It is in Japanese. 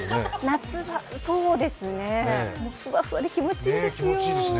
夏はそうですね、ふわふわで気持ちいいですよ。